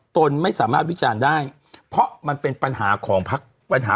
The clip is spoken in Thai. ตนไม่สามารถวิจารณ์ได้เพราะมันเป็นปัญหาของพักปัญหา